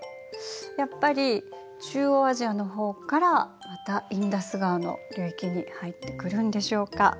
やっぱり中央アジアの方からまたインダス川の流域に入ってくるんでしょうか。